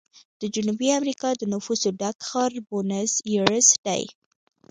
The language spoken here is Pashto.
د جنوبي امریکا د نفوسو ډک ښار بونس ایرس دی.